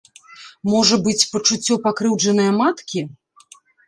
Можа быць, пачуццё пакрыўджанае маткі?